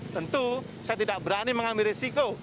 tentu saya tidak berani mengambil risiko